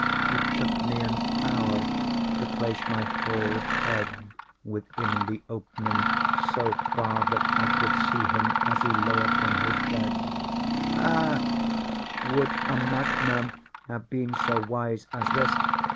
It took me an hour to place my whole head within the opening so far that I could see him as he lay upon his bed. Ha!—would a madman have been so wise as this?